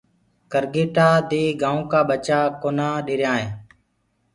ڪرگيٽآ دي گآيوُنٚ ڪآ ٻچآ ڪونآ ڏريآئينٚ۔